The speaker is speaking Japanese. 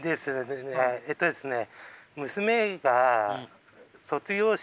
えっとですね